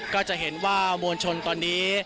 ก็จะเห็นว่ามวลชนตอนนี้